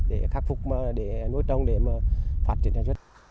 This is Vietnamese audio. để khắc phục để nuôi trồng để phát triển